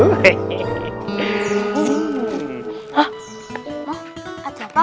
ma ada apa